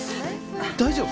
大丈夫？